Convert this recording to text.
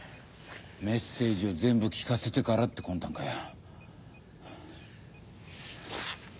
メッセージを全部聞かせてからって魂胆かよ。